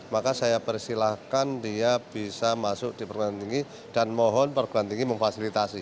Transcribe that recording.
maka saya persilahkan dia bisa masuk di perguruan tinggi dan mohon perguruan tinggi memfasilitasi